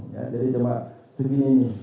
jadi cuma segini nih